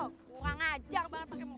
gue gak ngajak banget pakemu